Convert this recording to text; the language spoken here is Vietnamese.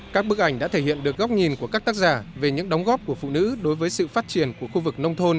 các bức ảnh đã thể hiện được góc nhìn của các tác giả về những đóng góp của phụ nữ đối với sự phát triển của khu vực nông thôn